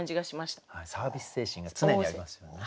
サービス精神が常にありますよね。